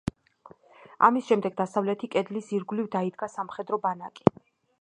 ამის შემდეგ, დასავლეთი კედლის ირგვლივ დაიდგა სამხედრო ბანაკი.